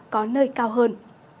có nơi cao hơn